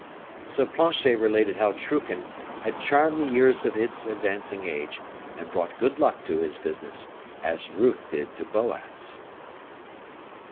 So Planchet related how Truchen had charmed the years of his advancing age, and brought good luck to his business, as Ruth did to Boaz.